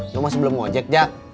lo masih belum ngojek jak